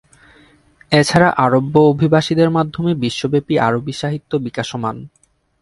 এছাড়া আরব্য অভিবাসীদের মাধ্যমে বিশ্বব্যাপী আরবি সাহিত্য বিকাশমান।